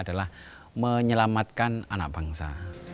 adalah menyelamatkan anak bangsa